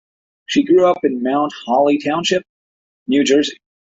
She grew up in Mount Holly Township, New Jersey.